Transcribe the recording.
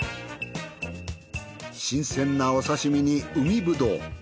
新鮮なお刺身に海ぶどう。